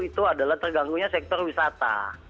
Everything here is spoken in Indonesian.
itu adalah terganggunya sektor wisata